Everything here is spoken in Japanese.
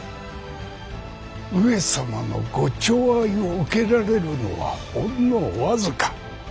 上様のご寵愛を受けられるのはほんの僅か。